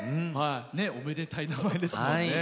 おめでたい名前ですよね。